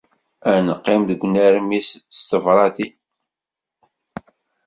Ad neqqim deg unermis s tebṛatin.